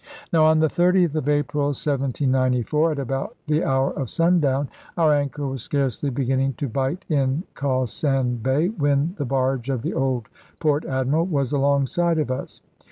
Now on the 30th of April 1794, at about the hour of sundown, our anchor was scarcely beginning to bite in Cawsand Bay, when the barge of the old Port Admiral was alongside of us.